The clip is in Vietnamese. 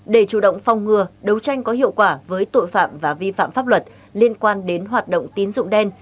để chủ động phong ngừa đấu tranh có hiệu quả với tội phạm và vi phạm pháp luật liên quan đến hoạt động tín dụng đen